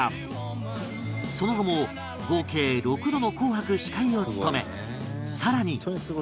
その後も合計６度の『紅白』司会を務め更に